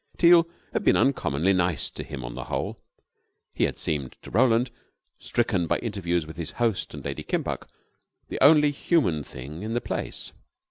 Teal had been uncommonly nice to him on the whole. He had seemed to Roland, stricken by interviews with his host and Lady Kimbuck, the only human thing in the place.